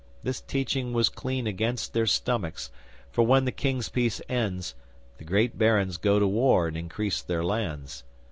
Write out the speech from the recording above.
This teaching was clean against their stomachs, for when the King's peace ends, the great barons go to war and increase their lands.